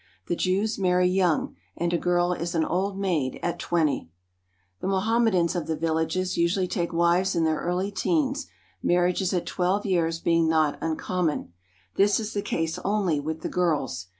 The Jews marry young, and a girl is an old maid at twenty. The Mohammedans of the villages usually take wives 226 THE VEILED WOMEN OF DAMASCUS in their early teens, marriages at twelve years being not uncommon. This is the case only with the girls.